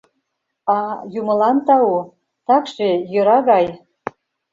— А, юмылан тау, такше йӧра гай!